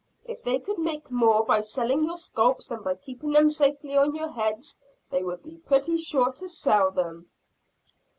If they could make more by selling your scalps than by keeping them safely on your heads, they would be pretty sure to sell them."